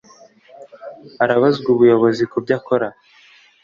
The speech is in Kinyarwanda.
arabazwa ubuyobozi kubyo akora